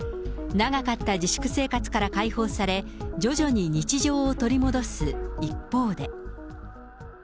長かった自粛生活から解放され、徐々に日常を取り戻す一方で。